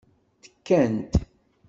Tekkant.